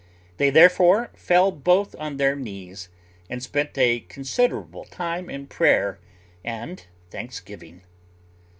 They therefore fell both on their knees, and spent a considerable time in prayer and thanksgiving.